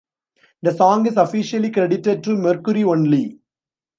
The song is officially credited to Mercury only.